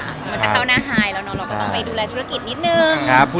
มันจะเข้าหน้าไฮแล้วเนอะเราก็ต้องไปดูแลธุรกิจนิดนึง